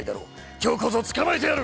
きょうこそ捕まえてやる。